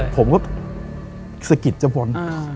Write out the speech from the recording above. ผมก็สะกิดจะบ่น